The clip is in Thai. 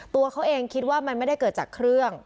ตัวเขาเองคิดว่ามันไม่ได้เกิดจากเครื่อง